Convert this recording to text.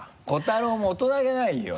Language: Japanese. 瑚太郎も大人げないよ！